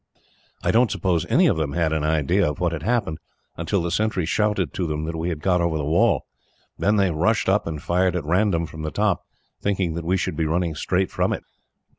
"I don't suppose any of them had an idea of what had happened, until the sentry shouted to them that we had got over the wall. Then they rushed up, and fired at random from the top, thinking that we should be running straight from it."